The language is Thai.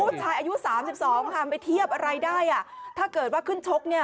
ผู้ชายอายุ๓๒ค่ะไม่เทียบอะไรได้ท่าเกิดขึ้นชกคนละรุ่นเลย